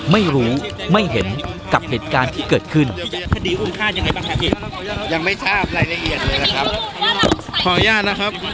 ไม่รู้ไม่เห็นกับเหตุการณ์ที่เกิดขึ้น